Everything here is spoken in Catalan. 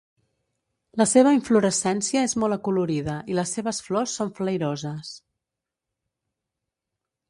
La seva inflorescència és molt acolorida i les seves flors són flairoses.